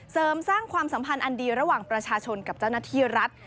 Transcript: เสริมสร้างความสัมพันธ์อันดีระหว่างประชาชนกับเจ้าหน้าที่รัฐ